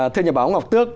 thưa nhà báo ngọc tước